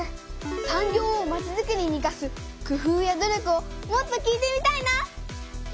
産業をまちづくりにいかす工夫や努力をもっと聞いてみたいな。